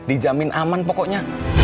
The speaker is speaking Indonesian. dijamin aman pokoknya